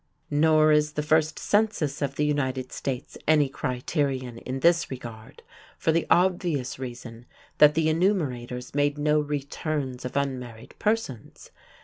Nor is the "First Census of the United States" any criterion in this regard, for the obvious reason that the enumerators made no returns of unmarried persons.